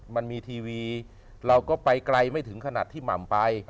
มันมีทีวีเราก็ไปไกลไม่ถึงขนาดที่หม่ำไป